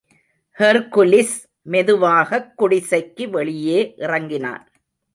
Hercules மெதுவாகக் குடிசைக்கு வெளியே இறங்கினான்.